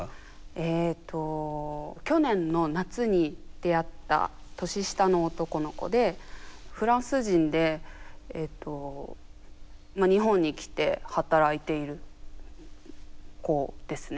えと去年の夏に出会った年下の男の子でフランス人で日本に来て働いている子ですね。